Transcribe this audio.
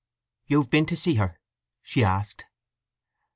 "You've been to see her?" she asked.